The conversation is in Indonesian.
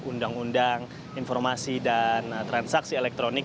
undang undang informasi dan transaksi elektronik